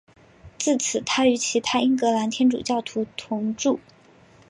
自此他与其他英格兰天主教徒同住。